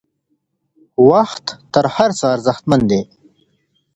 وخت تر هر څه ارزښتمن دی.